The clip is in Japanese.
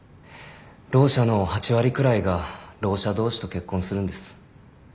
ろう者の８割くらいがろう者同士と結婚するんです。